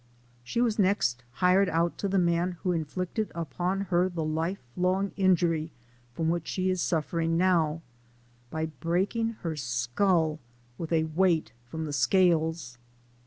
She was next hired out to the man who inflicted upon her the life long injury from which she is suffering now, by breaking her skull with a weight from the scales.